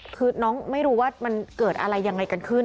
คือน้องไม่รู้ว่ามันเกิดอะไรยังไงกันขึ้น